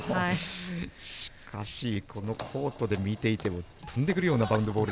しかし、このコートで見ていても飛んでくるようなバウンドボール。